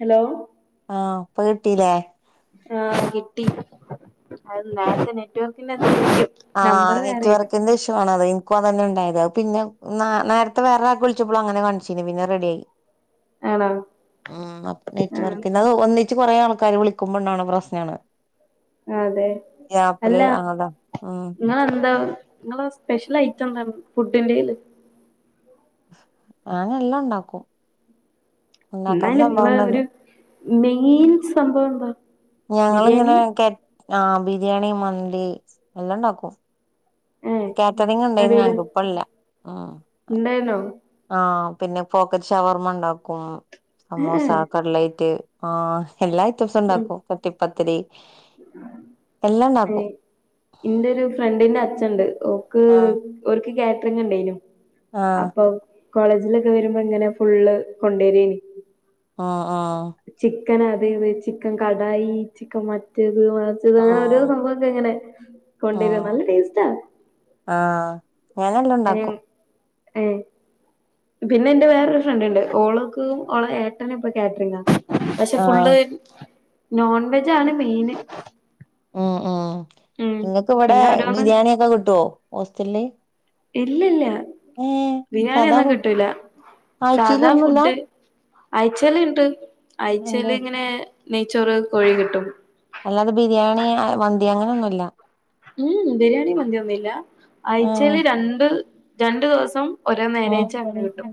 Hello ആ ഇപ്പൊ കിട്ടീല്ലേ ആ കിട്ടി അത് നേരത്തെ നെറ്റുവർക്കിന്റെ ആഹ് നെറ്റുർക്കിന്റെ ഇഷ്യു ആണ് അത് ഇൻക്കും അത് തന്നെണ്ടായി പിന്നെ നേരത്തെ വേറൊരാൾക്ക് വിളിച്ചപ്പോളും അങ്ങനെ കാണിചീഞ്യെ പിന്നെ റെഡി ആയി ആണോ ഉം ആഹ് നെറ്റ്‌വർക്ക്ന ഒന്നി ച്ച് കുറേ ആൾക്കാര് വിളിക്കുമ്പോണ്ടവണ പ്രശ്നാണ് അതെ ഈ അല്ല ആപ്പില് അതാ ഉം നിങ്ങളെന്താണ് നിങ്ങള സ്പെഷ്യൽ ഐറ്റംന്താണ് ഫുഡിന്റെല് ഞാൻ എല്ലാംണ്ടാക്കും എന്നാലുങ്ങളെ ഒരു മേയിൻ സംഭവംന്താ ഞങ്ങളിങ്ങനെ ആഹ് ബിരിയാണി മന്തി എല്ലാം ഉണ്ടാക്കും ഏഹ് കേറ്ററിങ് ഉണ്ടായിന്ന് അടിപൊളി ഞങ്ങക്ക് ഇപ്പില്ല ഉണ്ടായിരുന്നോ ആഹ് പിന്നെ പോക്കറ്റ് ഷവർമ്മണ്ടാക്കും സമൂസ, ഏഹ് കള്ലൈറ്റ്, ആ എല്ലാ ഐറ്റമ്സും ഉം ഇണ്ടാക്കും കട്ടിപ്പത്തിരി എല്ലാം ഉണ്ടാക്കും ഇന്റെ ഒരു ഫ്രണ്ടിന്റെ അച്ഛൻണ്ട് ഓക്ക് ആഹ് ഓൽക്ക് കാറ്റ ണ്ടേനു ആഹ് അപ്പൊ കോളേജിലൊക്കെ വരുമ്പോ ഇങ്ങനെ ഫുള്ള് കൊണ്ടേരേനി ആ ആ ചിക്കൻ അതെ ചിക്കൻ കടായി ചിക്കൻ മറ്റ മറച്ചത് അങ്ങനെ ഓരോ ഉം സംഭവംക്കെങ്ങനെ കൊണ്ടുവരു നല്ല ടേസ്റ്റാ ആ ഞാനെല്ലാം ഉണ്ടാക്കും ഏ പിന്നെ എന്റെ വേറൊരു ഫ്രണ്ട്ണ്ട് ഓള്ക്ക് ഓള ഏട്ടന്പ്പൊ കാറ്ററിങ്ങാ പക്ഷെ ആഹ് ഫുള്ള് നോൺവെജാണ് മെയിന് ഉം ഉം ഉം ഇങ്ങക്ക് ഇവിടെ പിന്നെ ഓരോന്ന് ബിരിയാണി ഒക്കെ കിട്ടുവോ ഹോസ്റ്റലില് ഇല്ല ഇല്ല ഏഹ് ബിരിയാണി സാദാ ഒന്നും ഫു കിട്ടൂല്ല സാദാ ആഴ്ചയിലൊന്നുല്ല ഫുഡ് അയച്ചല്ണ്ട് എന്തേ അയ്ച്ചല്ങ്ങനെ നെയ്ച്ചോറ് കോഴി കിട്ടും അല്ലാതെ ബിരിയാണി മന്തി അങ്ങനൊന്നുല്ല ഉം ബിരിയാണി മന്തിയൊന്നില്ല ഏഹ് അയ്ച്ചേല് രണ്ട് രണ്ടു ദെവസം ഓരോ നേരെച്ചാങ്ങെ കിട്ടും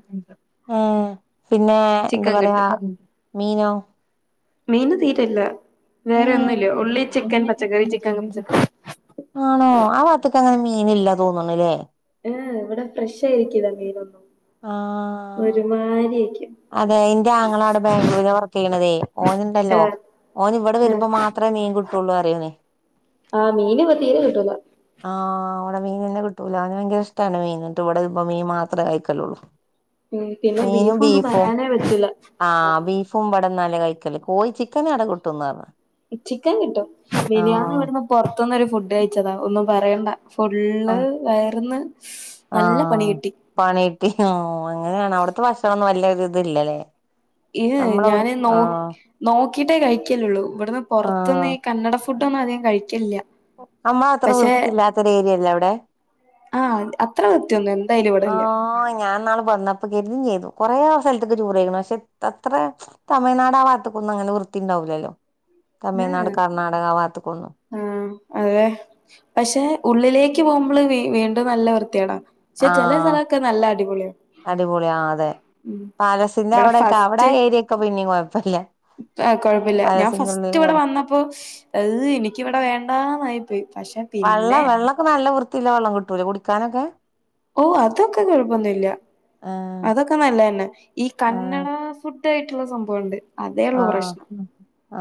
ഉം പിന്നെ എന്താ ചിക്കൻ പറയാ കിട്ടും മീനോ മീന് തീരല്ല ഏ ചിക്കൻ പച്ചക്കറി ആണോ ആ പാ ക്കങ്ങനെ മീനില്ല തോന്നണില്ലേ ഏ ഇവിടെ ഫ്രഷായിരിക്കില്ല മീനൊന്നും ആഹ് ഒരുമാരിയിരിക്കും അതെ ന്റെ ആങ്ങളാട് ബാംഗ്ലൂരില വർക്ക് ചെയ്യ്ണതേ ആ ഓനുണ്ടല്ലോ ഓനിവിടെ വരുമ്പോ മാത്രെ മീൻ കിട്ടുള്ളൂ അറിയനേ ആ മീന് പ തീരെ കിട്ടൂല ആ അവിടെ മീനന്നെ കിട്ടൂല അന് ഭയങ്കര ഇഷ്ടാണ് മീൻ ട്ട്ഈട്ന്നിപ്പ മീൻ മാത്രേ കയ്ക്കലുള്ളൂ ഉം പിന്നെ ബീഫൊന്നും പറയാ ആ ബീഫും ബ്ടന്നാല്ലെ കയ്ക്കല് കോയി ചിക്കനാടെ കിട്ടുംന്ന് പറഞ്ഞ ചിക്കൻ കിട്ടും മിനിയാന്നിവ്ടുന്ന് പൊറത്ത്ന്നൊരു ഫുഡ് കയ്ച്ചതാ ഒന്നും പറയണ്ട ഫുള്ള് ആഹ് വയർന്ന് നല്ല പണി ആഹ് കിട്ടി പണിട്ടി ഓ അങ്ങനാണ് അവിടത്തെ ഭക്ഷണൊന്നും വല്ല്യൊര്തില്ലല്ലേ ഏ ഞാന് നോ നോക്കിട്ടേ കഴിക്കലള്ളു ഇവിടുന്ന് ആഹ് പുറത്തുന്നീ കന്നട ഫുഡൊന്നും അധികം കഴിക്കില്ല്യ അമ്മ അത്ര വൃത്തില്ലാത്തരേരിയല്ലേ അവിടെ ആ അത്ര കൃത്യൊന്ന ആ ഞാൻ നാള് വന്നപ്പോ [unintelligible] ചെയ്തു കൊറേ സ്ഥലത്തക്ക് ചോറ് [unintelligible] പക്ഷെ അത്ര തമിഴ്നാടാഭാത്തക്കൊന്നും അങ്ങനെ വൃത്തിണ്ടാവില്ലല്ലോ തമിഴ്നാട് കർണാടക ആ അതെ പക്ഷെ ഉള്ളിലേക്ക് പോകുമ്പള് വീണ്ട് നല്ല വൃത്തിയാണ് പക്ഷെ ചെലെ ആഹ് സ്ഥലക്കെ നല്ല അടിപൊളിയ അടിപൊളി ആ അതെ പാലസിന്റെ ഇവിടെ അവിടെക്കെ അവിടെ ആ ഏരിയൊക്കെ പിന്നെം കൊയപ്പില്ല ആ കൊഴപ്പില്ല ഞാൻ ഫസ്റ്റ് ഇവിടെ വന്നപ്പോ ഏ എനിക്ക് വിടെ വേണ്ടാന്നായിപ്പോയി വെള്ള വെള്ളക്കെ നല്ല വൃത്തിയില്ല വെള്ളം കിട്ടൂലേ കുടിക്കാനൊക്കെ ഓ അതൊക്കെ കൊഴപ്പൊന്നുല്ല ആഹ് അതൊക്കെ നല്ലന്നെ ഈ ആഹ് കന്നഡ ഫുഡ് തായിട്ടുള്ള സംഭവംണ്ട് അതേ ഉള്ളൂ ആഹ് പ്രശ്നം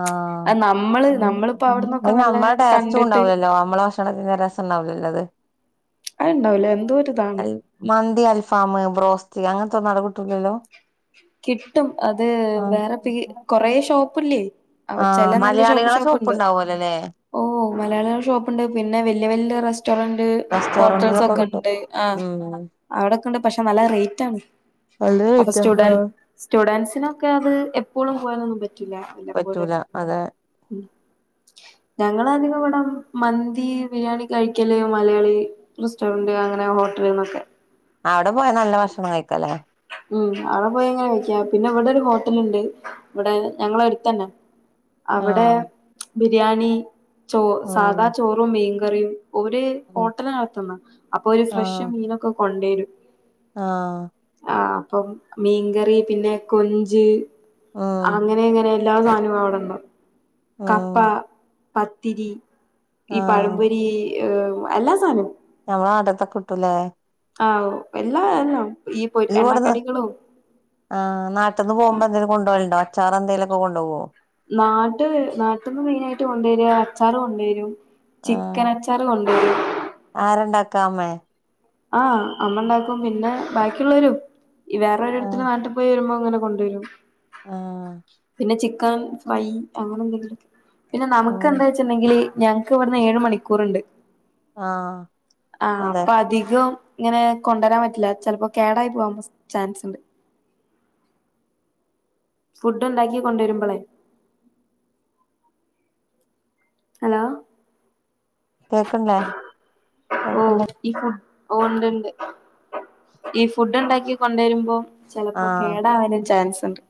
ആഹ് അ നമ്മള് നമ്മളിപ്പോ അവിടന്നൊക്കെ നല്ല കണ്ടിട്ട് ല്ലോ നമ്മള ഭക്ഷണത്തിന് രസംണ്ടാവ് ല്ലല്ലത് അത് ഇണ്ടാവൂല എന്തോര്താണ് അൽഫാം ബ്രോസ്റ്റ് അങ്ങനത്തൊന്നും ആടക്കിട്ടൂല്ലല്ലോ കിട്ടും അത് വേറെ പീ കൊറേ ഷോപ്പില്ലേ അവ ആഹ് ചെല നല്ല ഷോപ്പ് മലയാളികളെ ഷോപ്പുണ്ട് ഉണ്ടാവല്ലോല്ലേ ഓ മലയാളിക ഷോപ്പ്ണ്ട് പിന്നെ വല്യ വല്യ റെസ്റ്റോറന്റ് റെസ്റ്റോറന്റിലൊക്കെ കിട്ടും ഹോട്ടൽസൊക്കെണ്ട് ആ ഉം അവടൊക്ക്ണ്ട് പഷേ ന്നല്ല റേയ്റ്റാണ് നല്ല റേറ്റാ അപ്പസ്റ്റുഡന്റ് ആഹ് സ്റ്റുഡന്റ്സിനൊക്കെ അത് എപ്പോളും പൂവാനൊന്നും പറ്റൂല്ല വല്ലപ്പോഴ പറ്റൂല അതെ ഞങ്ങളധികം ഇവടം മന്തി ബിരിയാണി കഴിക്കല് മലയാളിറെസ്റ്റോറന്റ് അങ്ങനെ ഹോട്ടലിന്നൊക്കെ അവടെ പോയാന്നല്ല ഭക്ഷണം കയ്ക്കാല്ലേ ഉം അവടെ പോയയ്ഞ്ഞാ കൈക്കാ പിന്നഇവടൊരു ഹോട്ടല്ണ്ട് ഇവടെ ഞങ്ങളെ എടുത്തന്നെ അവടെ ആഹ് ബിരിയാണി ചോറ് സാദാ ഉം ചോറും മീൻകറിയും ഓര് ഉം ഹോട്ടല് ന്നടത്ത്ന്ന് അപ്പൊര് ഫ്രഷ് ആഹ് മീനൊക്കെ കൊണ്ടേരും ആഹ് ആ അപ്പം മീൻകറി പിനെ കൊഞ്ച് ഉം അങ്ങനെങ്ങനെ എല്ലാ സാനോം അവട്ണ്ടാവും കപ്പ ഉം പത്തിരി ഈ ആഹ് പഴംപൊരി ഏർ എല്ലാ സാനോം ആ അതൊക്ക കിട്ടൂലേ ആ വു എല്ലാ എല്ലാം ഈ പൊ ഈവട്ത് എണ്ണക്കടികളും ആ ന്നാട്ട്ന്ന് ആ പോവുമ്പോ എന്തേലും കൊണ്ടോവലുണ്ടോ അച്ചാറെന്തെലൊക്കെ കൊണ്ടോവോ ന്നാട്ട് ന്നാട്ട്ന്ന് മെയ്നായ്ട്ട് കൊണ്ടേരാ അച്ചാറ് കൊണ്ടേരും ചിക്കനച്ചാറ് കൊണ്ടേരും ആരണ്ടാക്ക അമേ ആഹ അമ്മണ്ടാക്കും പിന്നെ ബാക്കിള്ളോരും ഇ വേറൊരോര്ത്തര് ആഹ് ന്നാട്ട് പ്പോയി വരുമ്പോ ഇങ്ങനെ കൊണ്ടേരും ആഹ് പിനെ ചിക്കൻ ഫ്രൈ അങ്ങനെ എന്തെങ്കിലൊക്കെ പിനെ ഉം ന്നമ്‌ക്കെന്താ വെച്ച്ണ്ടെങ്കില് ഞങ്ങ്ക്ക് ഇവ്ട്ന്ന് ഏഴ് മണിക്കൂറ്ണ്ട് ആഹ അതെ അധികം ഇങ്ങനെ കൊണ്ടരാൻ പറ്റ്ല ചെലപ്പോ കേടായി പോവാൻള്ള ചാൻസ്ണ്ട് ഫുഡ് ണ്ടാക്കി കൊണ്ടെരുമ്പളെ ഹലോ കേക്ക്ൺലേ ഓ കേൾക്ക്‌ണ്ട് ഈ ഫുഡ് ഓ ഇണ്ട്ണ്ട് ഈ ഫുഡ്ണ്ടാക്കി കൊണ്ടരുമ്പോ ചെലപ്പോ ആഹ് കേടാവാനും ചാൻസ്ണ്ട്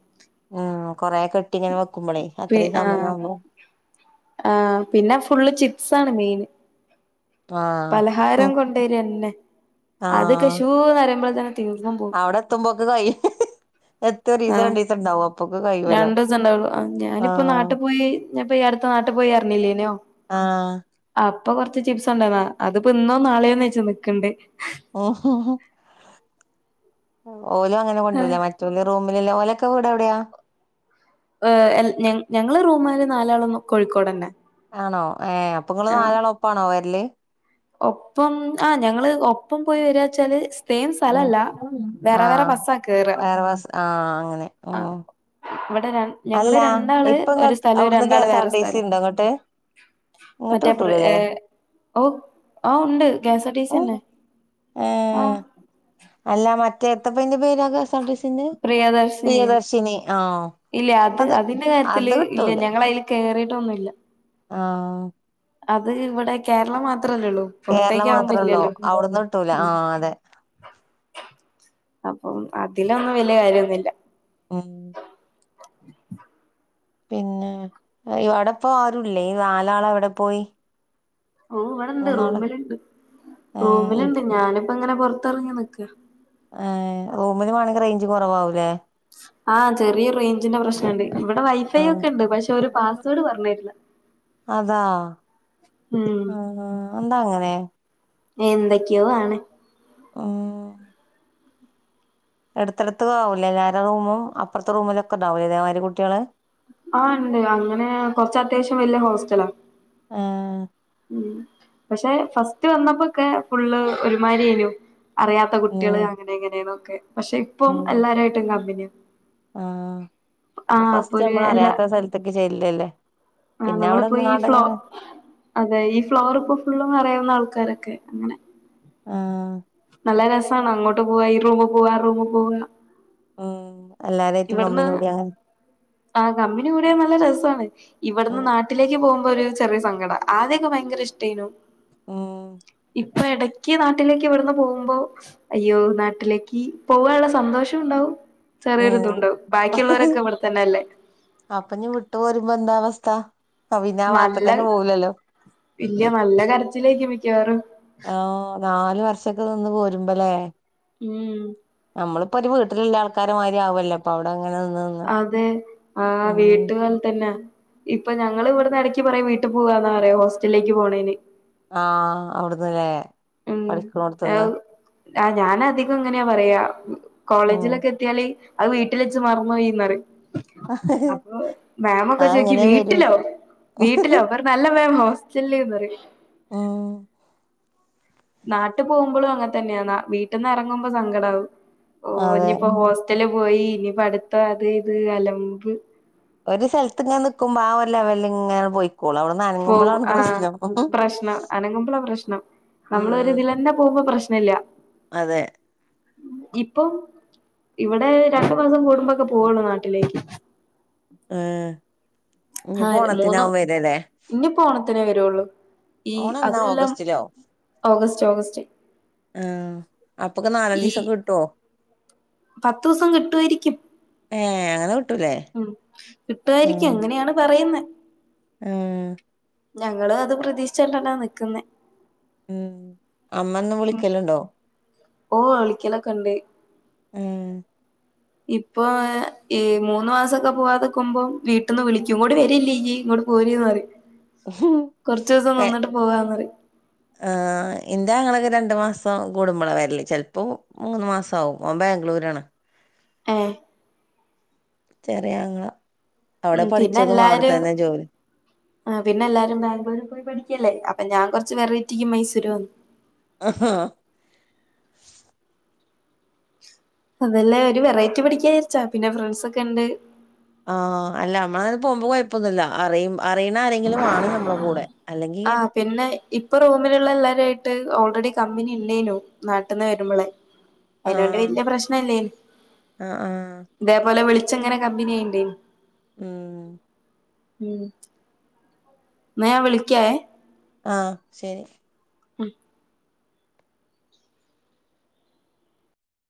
ഉം കൊറെ കെട്ടിങ്ങനെ വെക്കുമ്പോളേ പി അത്രയും ആ സമയമാവുമ്പോ ആ പിനെ ഫുള്ള് ചിപ്സാണ് മെയ്ന് ആഹ് പലഹാരം കൊണ്ടെരെന്നെ അത്ക്കെ ഷൂന്നറയുമ്പൾ തന്നെ തീർന്നും പോവും അവടെ എത്തുമ്പോക്ക്‌ കൈയും എത്തിഒരീസോ രണ്ടീസോ ഇണ്ടാവോ രണ്ടുസം ഇണ്ടാവുള്ളു ആ ഞാനിപ്പ ആഹ് ന്നാട്ട്പോയി ഞ്ഞാപ്പ ഈ അടുത്ത്ന്നാട്ട് പ്പോയി അർഞ്ഞില്ലേനോ ആഹ അപ്പൊ കൊറച്ച് ചിപ്സ് ഉണ്ടന്നാ അത്പ്പോ ഇന്നോ നാളെയോന്നെച്ച് ന്ന്ക്ക്‌ണ്ട് ഓ ഹോ ഹോ ഓലും അങ്ങനെ ആഹ് കൊണ്ട്രൂലേ മറ്റൊലെ റൂമ് ല്ല്ലാ ഓലൊക്കെ വീടെവ് ടെയാ ഏ എൽ ഞങ് ഞങ്ങ്ള് റൂമാര് ന്നാലാളൊന്നും കോഴിക്കോടെന്നെ ആണോ ഏ അപ്പ്ങ്ങള് ന്നാലാളൊപ്പാണോ വര്ല് ഒപ്പം ആ ഞങ്ങള് ഒപ്പം പോയി വെരാവെച്ചാല് സെയിം ഉം സ്ഥലല്ല വേറെ വേറെ ആഹ് ബസ്സാ കേറ ഓ ഇവിടെ രണ്ട് ഞങ്ങള് രണ്ടാള് ഒരു ഇങ്ങക്ക് സ്ഥലേം അവിടുന്ന് കെ രണ്ടാള് എസ് ആർ വേറെ ടി സി സ്ഥലോം ഉണ്ടോ ഇങ്ങട്ട് ഇങ്ങട്ട് മറ്റേ പ്ര് ഏ കിട്ടൂലല്ലേ ഓ ആ ഉണ്ട് കേസാർട്ടീസി എനെ ഏ അല്ല മറ്റേത്തെ പ്പ് ന്റെ പേരാ കാഷ സിന്റെ പ്രിയദർശിനി പ്രിയദർശിനി ആഹ് ഇല്ല അത് അത് കിട്ടൂല കയറിട്ടൊന്നുംല്ല ആ അത് ഇവിടെ കേരളം മാത്ര മാത്രല്ലേള്ളൂ കേരളം മാത്രള്ളൂ പുറത്തേക്കാവുമ്പോല്ലല്ലോ? അവിടുന്ന് കിട്ടൂല ആഹ് അതെ അപ്പോം അതിലൊന്നും വല്ല്യ കാര്യംയൊന്നുല്ല. ഉം [inaudible] പിന്നെ ഇവടെപ്പോ ആരുല്ലേ ഈ നാലാള് എവിടെ പോയി? ഓ ഇവടെണ്ട് മൂന്നാള് റൂമിലുണ്ട് ഏഹ് ഇ റൂമിലുണ്ട് ഞാനിപ്പോ ഇങ്ങനെ പൊറത്തറങ്ങി നിക്ക ഏ റൂമിന് വാണമെങ്കിൽ റേഞ്ച് കുറവാവുംലെ ആഹ് ചെറിയ റേഞ്ചിന്റെ പ്രശ്ണണ്ട്. ഇവിടെ വൈഫൈ ആഹ് ഒക്കെ ഉണ്ട് പക്ഷെ ഓര് പാസ് വേഡ് പറഞ്ഞെരില്ല. ആ ആ എന്താ അങ്ങനെ എന്തൊക്കെയോ ആണ്. ഉം എടുത്തെടുത്തും ആവും എല്ലാരെ റൂമും അപ്പുറത്തെ റൂമിലും ഒക്കെ ഉണ്ടാവില്ലേ ഇതേമാതിരി കുട്ടികള് ആ ഇണ്ട് അങ്ങനെ കൊറച്ച് അത്യാവശ്യം വല്യ ഹോസ്റ്റലാ ആഹ് ഉം പക്ഷെ ഫസ്റ്റ് വന്നപ്പോക്കെ ഫുള്ള് ഒരുമാരിഅയ്നു അറിയാത്ത കുട്ടികള് ഉം അങ്ങനെ എങ്ങനെയന്നൊക്കെ പക്ഷെ ഇപ്പം എല്ലാരായിട്ടും കമ്പിനി ആ അപ്പൊ ഫസ്റ്റ് ഒരു അമ്മള് എല്ലാ അറിയാത്ത സ്ഥലത്ക്ക് ചെല്ലല്ലേ? ആ പിന്നെ നമ്മളിപ്പോ ഈ ഫ്ലോ അവിടെന്ന്ങ്ങാണ്ടങ്ങനെ അതെ ഈ ഫ്ലോർ ഇപ്പൊ ഫുളള് അറിയാവുന്ന ആൾക്കാരൊക്കെ അങ്ങനെ ആഹ് നല്ല രസമാണ് അങ്ങോട്ട് പോവാ ഈ റൂമിൽ പോവ ആ റൂമിൽ പോവ ഉം എല്ലാരേറ്റും കമ്പിനി കൂടിയാൽ ആ കമ്പിനികൂടിയാൽ നല്ല രസമാണ് ഇവിടുന്ന് ഉം നാട്ടിലേക്ക് പോകുമ്പോ ഒരു ചെറിയ സങ്കട ആദ്യോക്കെ ഭയങ്കര ഇഷ്ട്ടയ്‌നു ഉം ഇപ്പൊ ഇടക്ക് നാട്ടിലേക്ക് ഇവിടുന്ന് പോകുമ്പോ അയ്യോ നാട്ടിലേക്ക് പോവാനുള്ള സന്തോഷം ഉണ്ടാവും ചെറിയൊരു ഉം ഇതുണ്ടാവും ബാക്കിയുള്ളവരൊക്കെ ഇവിടെ തന്നെല്ലേ? അപ്പൊ ഇഞ്ഞ് വിട്ടു പോരുമ്പോ എന്താ അവസ്ഥ ആ, പിന്നെ ആ നല്ല ഭാഗത്ത്ക്കന്നെ പോവൂലല്ലോ വെല്ല്യ നല്ല കരച്ചിലായിരിക്കും മിക്കവാററും. ആഹ് നാലു വർഷൊക്കെ നിന്ന് പോരുമ്പല്ലേ? ഉം മ്മളിപ്പോ ഒരു വീട്ടിലുള്ള ആൾക്കാര്മാരി ആവല്ലോ അപ്പവടെ അതെ ആ ഉം വീട്ടു പോലെ തന്നെ ഇപ്പൊ ഞങ്ങൾ ഇവിടന്ന് ഇടയ്ക്ക് പറയും വീട്ടിൽ പോവാന്നാ പറയാ ഹോസ്റ്റലിലേക്ക് പോവണേന് ആ അവുട്ന്ന്ലേ ഏവു ഞാൻ അധികം ഇങ്ങനെയാ പറയാ ഉം കോളേജിലൊക്കെ എത്തിയാല് അത് വീട്ടില് വെച്ച് മറന്ന് പോയീന്ന് പറിം. അപ്പൊ മേമൊക്കെ അത് ചോയ്ക്കും അങ്ങനെ വരും വീട്ടിലോ? വീട്ടിലോ അല്ല ർ അല്ല മേം ഹോസ്റ്റൽന്ന് പറയും ആ നാട്ട് പോകുമ്പോഴും അങ്ങനെ തന്നെയാ വീട്ടന്ന ഇറങ്ങുമ്പോ സങ്കടാവും. ഓ ഇഞ്ഞിപ്പോ അതെ ഹോസ്റ്റല് പോയി ഇനി പടുത്ത അത് ഇത് അലമ്പ്. ഒരു സ്ഥലത്ത് ഇങ്ങനെ നിക്കുമ്പോ ആ ഒരു ലെവല് ഇങ്ങനെ പോയി പോ ആഹ് പ്രശ്നം അനങ്ങുമ്പള പ്രശ്നം. ഉം നമ്മല്ലൊരുതില്ലെന്നേ പോകുമ്പോ പ്രശ്ന ഇല്ല അതെ ഇപ്പം ഇവിടെ രണ്ടു മാസം കൂടുമ്പോക്കെ പോവുള്ളൂ നാട്ടിലേക്ക് ഏ ആ ഞ്ഞിപ്പോ മൂന്നോ ഓണത്തിനാവെരാലേ? ഇനിയിപ്പോ ഓണത്തിനേ വരുള്ളൂ ഈ ഓണം എന്നാ അതുമെല്ലാം ഓഗസ്റ്റിലോ? ഓഗസ്റ്റ് ഓഗസ്റ്റ് ആഹ അപ്പക്കെ നാലഞ്ചു ഈ സം ദിവസം കിട്ടോ? പത്ത് ദിവസം കിട്ടു ആയിരിക്കും. ഏ ഹ് ഉ കിട്ടുവായിരിക്കും അങ്ങനെയാണ് പറയുന്നെ ആഹ ഞങ്ങളും അത് പ്രതീക്ഷിചിട്ടാ നിക്കുന്നേ... ഉം അമ്മ ഒന്നും വിളിക്കല് ണ്ടോ..? ഓ വിളിക്കല ക്കെണ്ട്. ആ ഹ് ഇപ്പൊ ഈ മൂന്ന് മാസൊക്കെ പോവാതെക്കുമ്പോം വീട്ടിന്ന് വിളിക്കും ഇങ്ങോട്ട് വരല്ലേ യ്യ് പോര് പറയും കൊറച്ച് ദിവസം നിന്നിട്ട് പോവാ പറയും ആ ഇന്റെ ആങ്ങളക്കെ രണ്ടു മാസം കൂടുമ്പോള വരല് ചിലപ്പോ മൂന്ന് മാസം ആകും. ബാംഗ്ലൂര് ആണ് ഏഹ് ചെറിയാങ്ങള ഉ പിന്നെ എല്ലാരും പിന്നെ എല്ലാരും ബാംഗ്ലൂര് പോയി പഠിക്കല്ലേ? അപ്പൊ ഞാൻ കുറച്ച് വെറൈറ്റിക്ക് മൈസൂര് വന്നു ആ ഹാ അതല്ല ഒരു വെറൈറ്റി പഠിക്കാ വിചാരിച്ച പിന്നെ ഫ്രണ്ട്സ് ഒക്കെ ഉണ്ട്. ആഹ അല്ല നമ്മള പോകുമ്പോ കുഴപ്പൊന്നുല്ല അറിയും. അറിയണ ആരെങ്കിലും വാണം നമ്മളെ കൂടെ അല്ലെങ്കിൽ ആഹ് പിന്നെ ഇപ്പൊ റൂമിലുള്ള എല്ലാരുും ആയിട്ട് ഓൾറെഡി കമ്പനി ഉണ്ടേനു നാട്ടിന്ന് വരുമ്പോളെക്കെ. അതിനോണ്ട് ആഹ്. വല്യ പ്രശ്നല്ലേനു ആഹ് ആഹ്. ഇതേപോലെ വിളി ങ്ങനെ കമ്പനിയായിണ്ട് ച്ച ഉം ഉം ന്ന ഞാൻ വിളിക്കാവെ ആഹ ശരി ഉം